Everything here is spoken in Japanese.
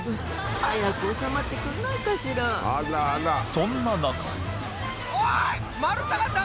そんな中おい！